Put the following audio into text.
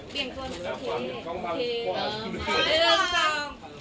เปลี่ยนคนโอเคโอเคเริ่มเริ่มสอง